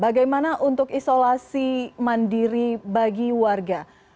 bagaimana untuk isolasi mandiri bagi warga